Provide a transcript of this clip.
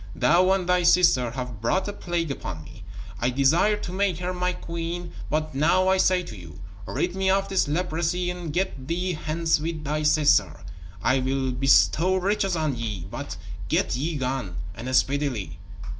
Thou and thy sister have brought a plague upon me. I desired to make her my queen, but now I say to you: Rid me of this leprosy and get thee hence with thy sister. I will bestow riches on ye, but get ye gone, and speedily."